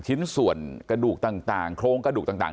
ชิ้นส่วนกระดูกต่างโครงกระดูกต่าง